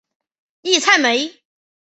利莱梅。